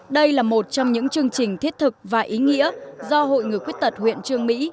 đây là một trong những chương trình thiết thực và ý nghĩa do hội người khuyết tật huyện trương mỹ